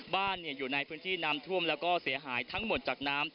บ้านอยู่ในภูติที่น้ำท่วมแล้วก็เสียหายทั้งหมดจากน้ำท่วมนะครับ